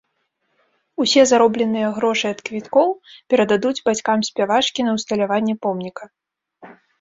Усе заробленыя грошы ад квіткоў перададуць бацькам спявачкі на ўсталяванне помніка.